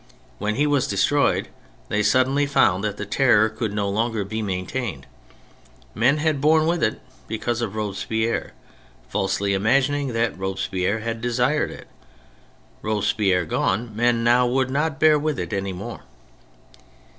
When he was destroyed they suddenly found that the Terror could no longer be maintained. Men had borne with it because of Robespierre, falsely imagining that Robespierre had desired it. Robespierre gone, men w^ould not bear with it any more.